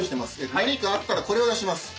何かあったらこれを出します。